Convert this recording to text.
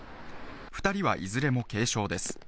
２人はいずれも軽傷です。